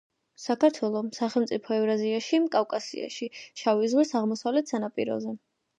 საქართველო, სახელმწიფო ევრაზიაში, კავკასიაში, შავი ზღვის აღმოსავლეთ სანაპიროზე.